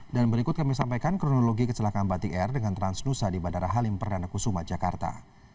dan berikut kami sampaikan kronologi kecelakaan batik air dengan transnusa di bandara halim perdana kusuma jakarta